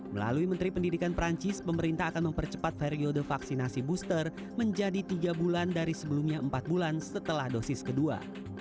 melalui menteri pendidikan perancis pemerintah akan mempercepat periode vaksinasi booster menjadi tiga bulan dari sebelumnya empat bulan setelah dosis kedua